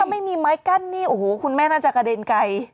ไม่มีไม้กั้นนี่โอ้โหคุณแม่น่าจะกระเด็นไกล